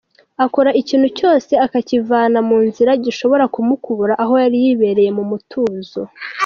Akora ikintu cyose akakivana mu nzira gishobora kumukura aho yari yibereye mu mutuzo.